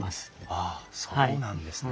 あそうなんですね。